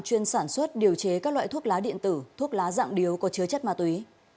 chuyên sản xuất điều chế các loại thuốc lá điện tử thuốc lá dạng điếu có chứa chất ma túy